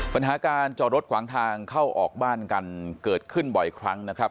ปัญหาการจอดรถขวางทางเข้าออกบ้านกันเกิดขึ้นบ่อยครั้งนะครับ